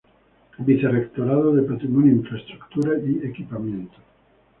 Vicerrectorado de Patrimonio, infraestructura y Equipamiento.